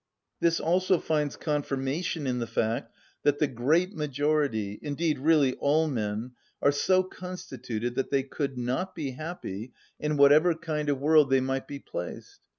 This also finds confirmation in the fact that the great majority, indeed really all men, are so constituted that they could not be happy in whatever kind of world they might be placed.